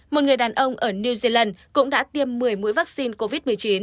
một người đàn ông ở new zealand cũng đã tiêm một mươi mũi vaccine covid một mươi chín